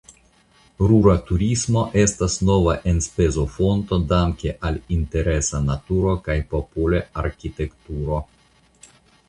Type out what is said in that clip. Rura turismo estas nova enspezofonto danke al la interesa naturo kaj popola arkitekturo.